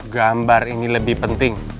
gambar ini lebih penting